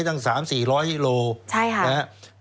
ไอ้ตั้ง๓๔๐๐ฮิโลกรัม